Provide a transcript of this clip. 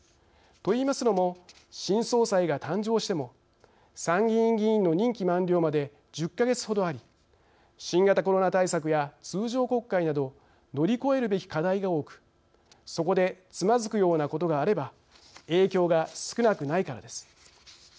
といいますのも新総裁が誕生しても参議院議員の任期満了まで１０か月ほどあり新型コロナ対策や通常国会など乗り越えるべき課題が多くそこでつまずくようなことがあれば影響が少なくないからです。